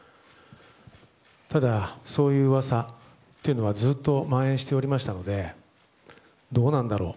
ただ、そういう噂というのはずっと蔓延しておりましたのでどうなんだろう。